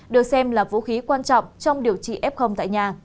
được xem là vũ khí quan trọng trong điều trị f tại nhà